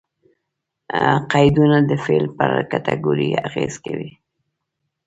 قیدونه د فعل پر کېټګوري اغېز کوي.